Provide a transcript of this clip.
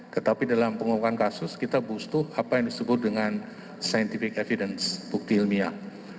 tetapi dalam pengungkapan kasus kita butuh apa yang disebut dengan scientific evidence bukti ilmiah